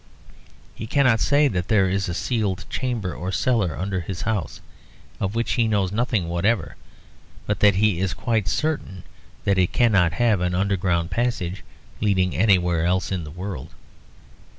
He cannot say there is a sealed chamber or cellar under his house, of which he knows nothing whatever; but that he is quite certain that it cannot have an underground passage leading anywhere else in the world.